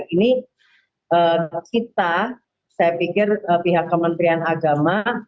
ini kita saya pikir pihak kementerian agama